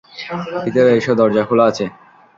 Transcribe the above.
ভিতরে এসো, দরজা খোলা আছে।